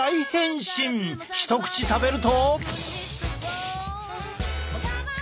一口食べると。